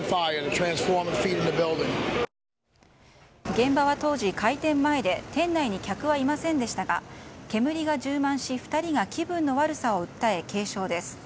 現場は当時、開店前で店内に客はいませんでしたが煙が充満し２人が気分の悪さを訴え軽症です。